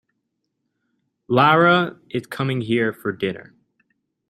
Lara is coming here for dinner.